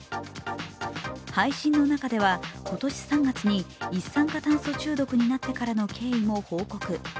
配信の中では、今年３月に一酸化炭素中毒になってからの経緯も報告。